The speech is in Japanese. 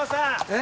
え？